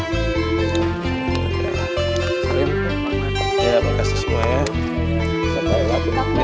ya makasih semua ya